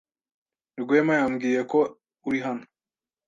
Rwema yambwiye ko uri hano.